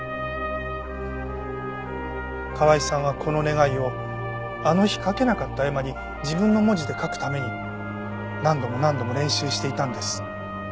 川井さんはこの願いをあの日書けなかった絵馬に自分の文字で書くために何度も何度も練習していたんです。